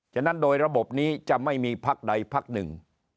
ฉะนั้นโดยระบบนี้จะไม่มีพักใดพักหนึ่ง